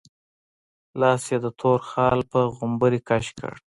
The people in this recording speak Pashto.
لاس يې د تور خال په غومبري کش کړ.